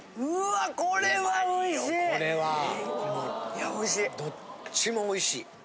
うわこれはおいしい！